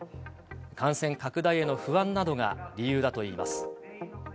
感染拡大への不安などが理由だといいます。